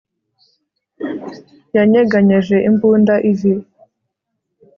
Yanyeganyeje imbunda ivi